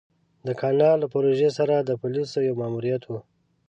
د کانال له پروژې سره د پوليسو يو ماموريت و.